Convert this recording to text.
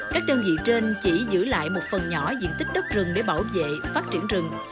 các đơn vị trên chỉ giữ lại một phần nhỏ diện tích đất rừng để bảo vệ phát triển rừng